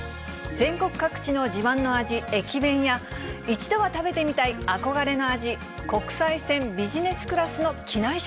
全国各地の自慢の味、駅弁や、一度は食べてみたい憧れの味、国際線ビジネスクラスの機内食。